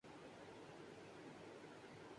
یا دوپٹہ سنبھال کر چلئے